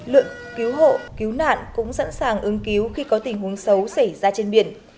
lượng cứu hộ cứu nạn cũng sẵn sàng ứng cứu khi có tình huống xấu xảy ra trên biển